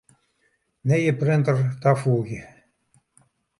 Nije printer tafoegje.